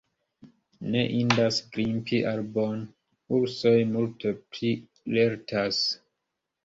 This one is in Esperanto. Ne indas grimpi arbon: ursoj multe pli lertas.